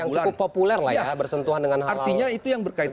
yang cukup populer lah ya bersentuhan dengan halal kegiatan masyarakat